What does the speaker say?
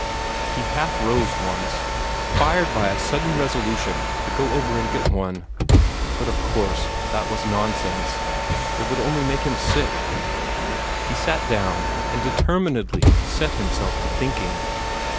He half rose once, fired by a sudden resolution to go over and get one. But of course that was nonsense; it would only make him sick. He sat down, and determinedly set himself to thinking.